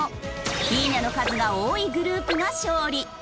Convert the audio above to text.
いいねの数が多いグループが勝利。